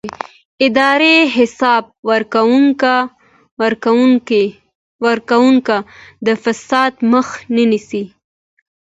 اداري حساب ورکونه د فساد مخه نیسي